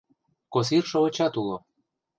Косир шовычат уло...